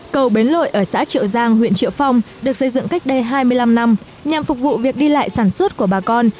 cầu bến lội ở xã triệu giang huyện triệu phong được xây dựng cách đây hai mươi năm năm nhằm phục vụ việc đi lại sản xuất của bà con